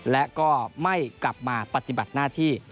และก็ไม่กลับมาปฏิบัติหน้าที่